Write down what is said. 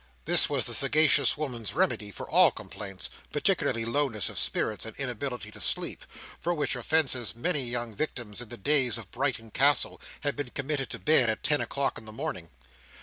This was the sagacious woman's remedy for all complaints, particularly lowness of spirits, and inability to sleep; for which offences, many young victims in the days of the Brighton Castle had been committed to bed at ten o'clock in the morning.